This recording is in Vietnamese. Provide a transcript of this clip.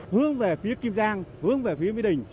hướng về phía kim giang hướng về phía mỹ đình